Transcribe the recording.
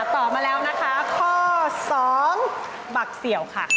ตอบมาแล้วนะคะข้อ๒บักเสี่ยวค่ะ